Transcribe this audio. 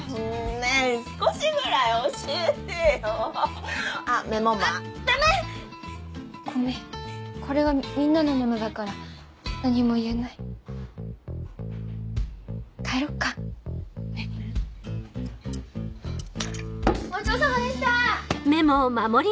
ねぇ少しぐらい教えてよごめんこれはみんなのものだから何も言えな帰ろっかごちそうさまでした！